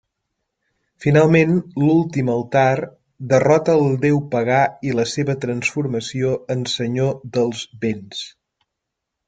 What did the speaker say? Finalment, l'últim altar derrota el Déu Pagà i la seva transformació en Senyor dels Vents.